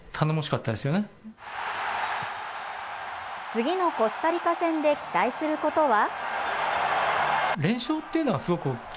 次のコスタリカ戦で期待することは。